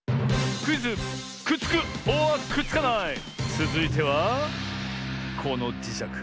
つづいてはこのじしゃく。